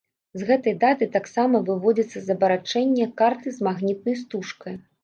З гэтай даты таксама выводзяцца з абарачэння карты з магнітнай стужкай.